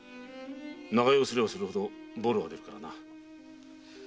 長居をすればするほどボロが出るからな。